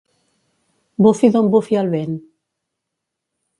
Bufi d'on bufi el vent.